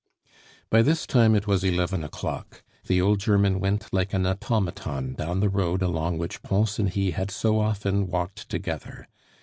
By this time it was eleven o'clock. The old German went like an automaton down the road along which Pons and he had so often walked together.